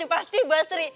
itu pasti buat sri